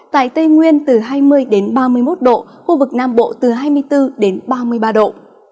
tại tây nguyên từ hai mươi ba mươi một độ khu vực nam bộ từ hai mươi bốn đến ba mươi ba độ